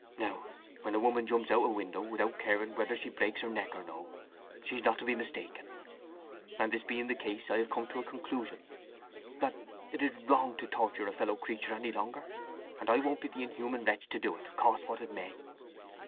Now when a woman jumps out of window without caring whether she breaks her neck or no, she's not to be mistaken; and this being the case I have come to a conclusion: that it is wrong to so torture a fellow creature any longer; and I won't be the inhuman wretch to do it, cost what it may!"